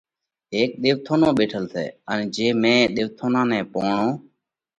هيڪ ۮيوَٿونو ٻيٺل سئہ ان جي مئين ۮيوَٿونا نئہ پوڻو